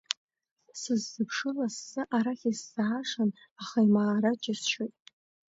Сыззыԥшу лассы арахь исзаашан, аха имаара џьысшьоит…